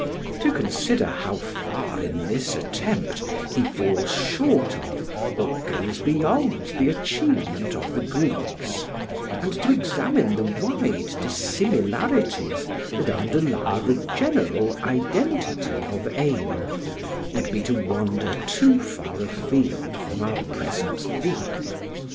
To consider how far in this attempt he falls short of or goes beyond the achievement of the Greeks, and to examine the wide dissimilarities that underlie the general identity of aim, would be to wander too far afield from our present theme.